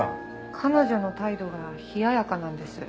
彼女の態度が冷ややかなんです。